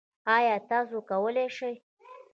ایا تاسو کولی شئ؟